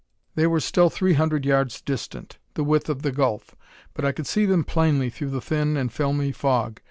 They were still three hundred yards distant, the width of the gulf; but I could see them plainly through the thin and filmy fog.